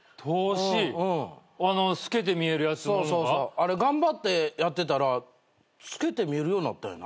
あれ頑張ってやってたら透けて見えるようになった。